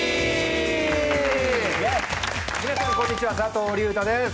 皆さんこんにちは佐藤隆太です